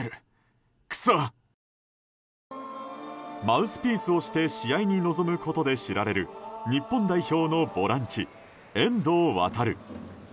マウスピースをして試合に臨むことで知られる日本代表のボランチ、遠藤航。